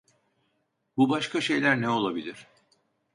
Bu başka şeyler ne olabilir?